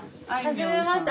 はじめまして。